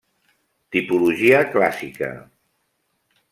Tipologia clàssica.